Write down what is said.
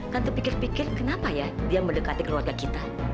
kan terpikir pikir kenapa ya dia mendekati keluarga kita